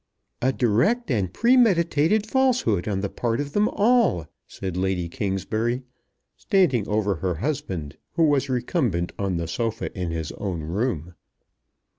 "A direct and premeditated falsehood on the part of them all!" said Lady Kingsbury, standing over her husband, who was recumbent on the sofa in his own room.